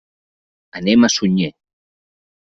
Anem a Sunyer.